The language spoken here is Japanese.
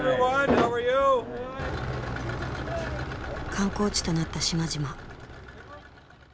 観光地となった島々。